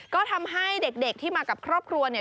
ก็ทำให้เด็กที่มากับครอบครัวเนี่ย